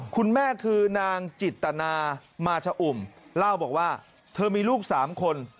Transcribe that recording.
คุณแม่คือนางจิตนามาชะอุ่มเล่าบอกว่าเธอมีลูก๓คน